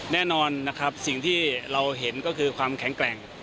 แน่นอนนะครับสิ่งที่เราเห็นก็คือความแข็งแกร่ง